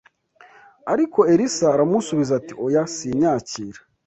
Ariko Elisa aramusubiza ati oya, sinyakira